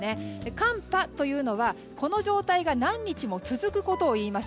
寒波というのは、この状態が何日も続くことを言います。